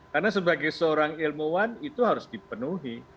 karena sebagai seorang ilmuwan itu harus dipenuhi